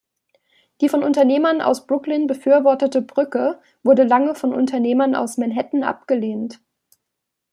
Die von Unternehmern aus Brooklyn befürwortete Brücke wurde lange von Unternehmern aus Manhattan abgelehnt.